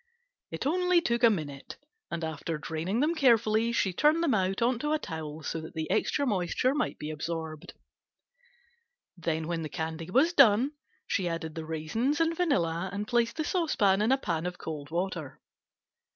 It only took a minute, and after draining them carefully she turned them out on a towel so that the extra moisture might be absorbed. Then when the candy was done she added the raisins and vanilla and placed the saucepan in a pan of cold water.